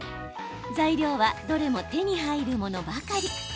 材料は、どれも手に入るものばかり。